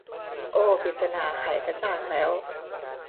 โอ้ว ปริศนาไขกระจ่างแล้ว